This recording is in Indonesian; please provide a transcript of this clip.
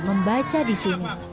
membaca di sini